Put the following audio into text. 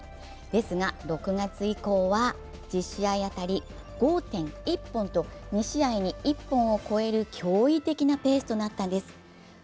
ですが６月以降は１０試合当たり５．１本と２試合に１本を超える驚異的なペースとなったんです。